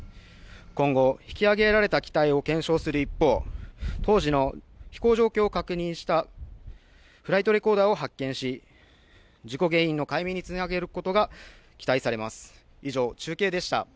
今後、引き揚げられた機体を検証する一方、当時の飛行状況を確認したフライトレコーダーを発見し、事故原因の解明につなげることが期待されます。